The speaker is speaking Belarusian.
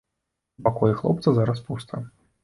У пакоі хлопца зараз пуста.